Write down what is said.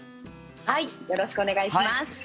よろしくお願いします。